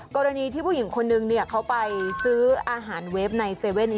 กรณีที่ผู้หญิงคนนึงเขาไปซื้ออาหารเวฟใน๗๑๑